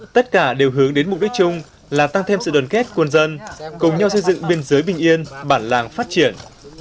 tất cả đều hướng đến mục đích chung là tăng thêm sự đoàn kết quân dân cùng nhau xây dựng biên giới bình yên bản làng phát triển